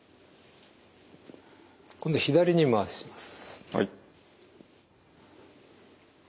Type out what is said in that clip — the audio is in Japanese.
今度左に回します。